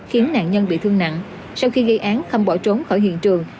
khiến nạn nhân bị thương nặng sau khi gây án khâm bỏ trốn khỏi hiện trường